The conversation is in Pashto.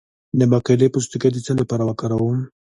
د باقلي پوستکی د څه لپاره وکاروم؟